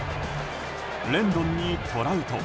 レンドンにトラウト。